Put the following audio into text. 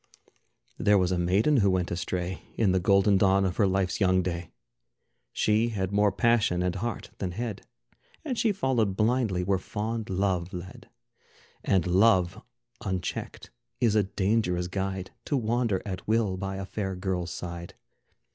There was a maiden who went astray In the golden dawn of her life's young day. She had more passion and heart than head, And she followed blindly where fond Love led. And Love unchecked is a dangerous guide To wander at will by a fair girl's side.